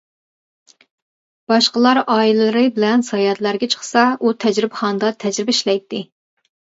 باشقىلار ئائىلىلىرى بىلەن ساياھەتلەرگە چىقسا، ئۇ تەجرىبىخانىدا تەجرىبە ئىشلەيتتى.